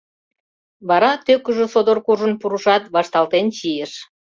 Вара тӧкыжӧ содор куржын пурышат, вашталтен чийыш.